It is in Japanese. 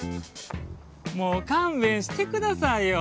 もう勘弁してくださいよ。